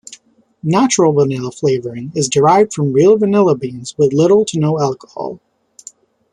Natural vanilla flavoring is derived from real vanilla beans with little to no alcohol.